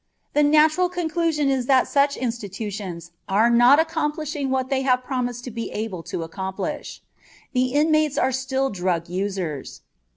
The natural conclusion is that such institutions are not accomplishing what they have promised to be able to accomplish. The inmates are still drug users.